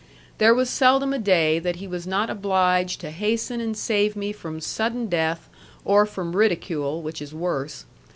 There was seldom a day that he was not obliged to hasten and save me from sudden death or from ridicule, which is worse.